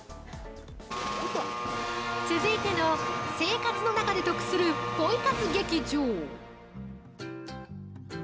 ◆続いての生活の中で得するポイ活劇場！